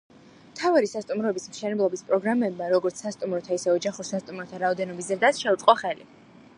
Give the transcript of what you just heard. მთავარი სასტუმროების მშენებლობის პროგრამებმა როგორც სასტუმროთა, ისე ოჯახურ სასტუმროთა რაოდენობის ზრდას შეუწყო ხელი.